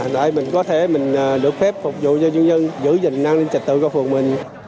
để mình có thể được phép phục vụ cho dân dân giữ gìn an ninh trạch tự của phòng mình